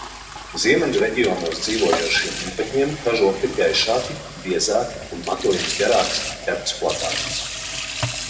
Ziemeļu reģionos dzīvojošiem īpatņiem kažoki ir gaišāki, biezāki un matojums garāks, ķepas platākas.